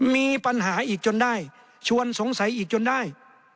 มีปัญหาอีกจนได้ชวนสงสัยอีกจนได้